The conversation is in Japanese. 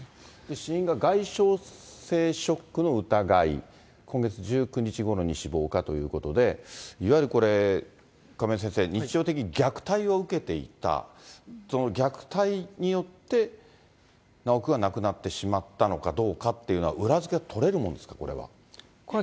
死因が外傷性ショックの疑い、今月１９日ごろに死亡かということで、いわゆる、これ、亀井先生、日常的に虐待を受けていた、その虐待によって修くんは亡くなってしまったのかどうかっていうのは、裏付けは取れるものですか、これは。